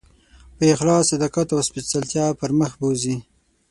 په اخلاص، صداقت او سپېڅلتیا پر مخ بوځي.